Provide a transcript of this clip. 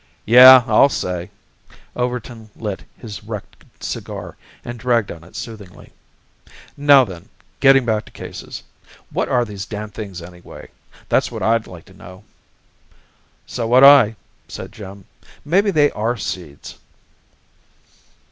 "Yeah, I'll say!" Overton lit his wrecked cigar and dragged on it soothingly. "Now then, getting back to cases what are these damn things, anyway? That's what I'd like to know." "So would I," said Jim. "Maybe they are seeds?"